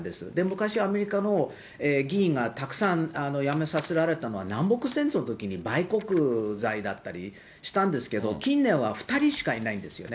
昔、アメリカの議員がたくさん辞めさせられたのは、南北戦争のときに売国罪だったりしたんですけど、近年は２人しかいないんですよね。